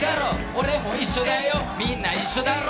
俺も一緒だよ皆一緒だろ？